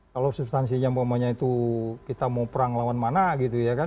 kalau substansinya umpamanya itu kita mau perang lawan mana gitu ya kan